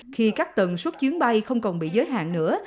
khi các tần suất chuyến bay không còn bị giới hạn nữa